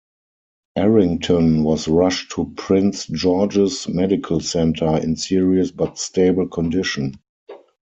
Arrington was rushed to Prince George's Medical Center, in serious but stable condition.